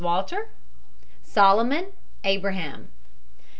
WALTER. SOLOMON, ABRAHAM.